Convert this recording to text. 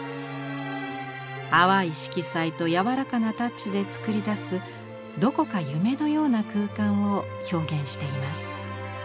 淡い色彩と柔らかなタッチで作り出すどこか夢のような空間を表現しています。